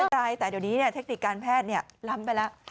แต่เดี๋ยวนี้เนี่ยเทคติการแพทย์เนี่ยล้ำไปละ